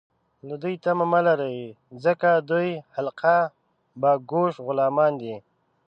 له دوی تمه مه لرئ ، ځکه دوی حلقه باګوش غلامان دي